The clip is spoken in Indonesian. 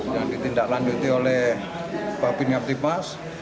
yang ditindaklanjuti oleh bapin ngam tipas